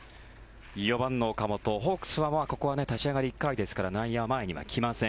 ４番の岡本ホークスはここは立ち上がり１回ですから内野、前には来ません。